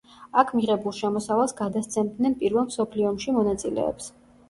აქ მიღებულ შემოსავალს გადასცემდნენ პირველ მსოფლიო ომში მონაწილეებს.